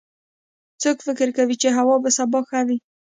څوک فکر کوي چې هوا به سبا ښه وي